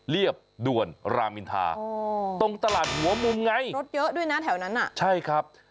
เรียบด่วนรามอินทาตรงตลาดหัวมุมไงรถเยอะด้วยนะแถวนั้นอ่ะใช่ครับ